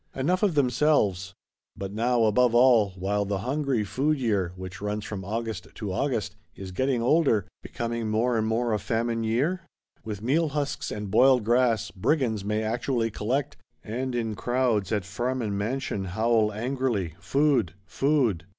Enough of themselves! But now, above all, while the hungry food year, which runs from August to August, is getting older; becoming more and more a famine year? With "meal husks and boiled grass," Brigands may actually collect; and, in crowds, at farm and mansion, howl angrily, _Food! Food!